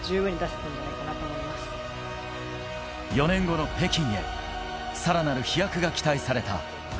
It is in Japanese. ４年後の北京へ、さらなる飛躍が期待された。